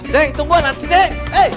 ceng tunggu ceng